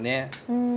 うん。